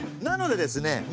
なのでですね